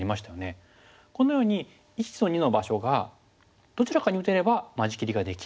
このように①と②の場所がどちらかに打てれば間仕切りができる。